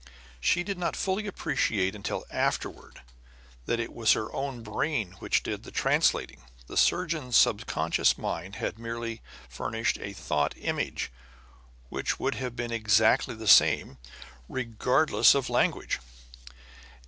She did not fully appreciate until afterward that it was her own brain which did the translating; the surgeon's subconscious mind had merely furnished a thought image which would have been exactly the same, regardless of language.